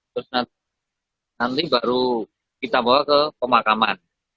terus nanti baru kita bawa ke pemakaman